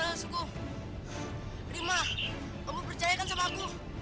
rima kamu percayakan sama aku